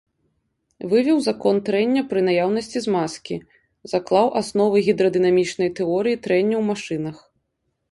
Вывеў закон трэння пры наяўнасці змазкі, заклаў асновы гідрадынамічнай тэорыі трэння ў машынах.